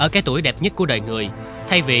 chỉ lặng lẽ